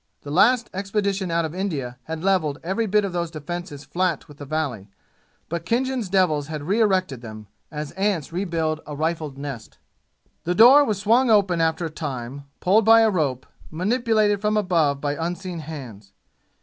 The last expedition out of India had leveled every bit of those defenses flat with the valley, but Khinjan's devils had reerected them, as ants rebuild a rifled nest. The door was swung open after a time, pulled by a rope, manipulated from above by unseen hands.